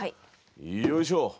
よいしょ。